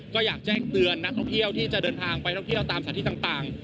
ก็อยากแจ้งเตือนนักท่องเที่ยวที่จะเดินทางไปท่องเที่ยวตามสถานที่ต่าง